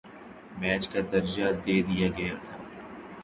match کا درجہ دے دیا گیا تھا